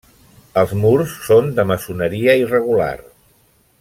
Els murs són de maçoneria irregular.